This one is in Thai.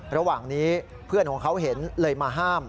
ระหว่างนี้เพื่อนของเขาเห็นเลยมาห้าม